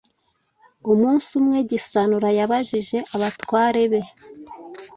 Umunsi umwe, Gisanura yabajije abatware be